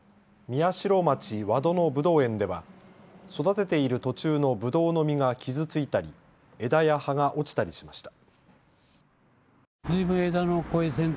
宮代町和戸のぶどう園では育てている途中のぶどうの実が傷ついたり枝や葉が落ちたりしました。